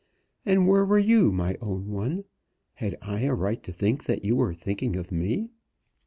And where were you, my own one? Had I a right to think that you were thinking of me?"